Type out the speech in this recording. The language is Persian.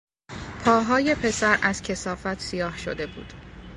پاهای پسر از کثافت سیاه شده بود.